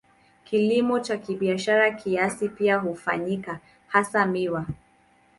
Kilimo cha kibiashara kiasi pia hufanyika, hasa miwa.